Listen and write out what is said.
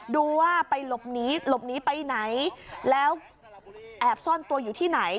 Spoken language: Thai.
ดูว่าลบนีไปไหนแล้วแอบซ่อนตัวอยู่ที่ไหน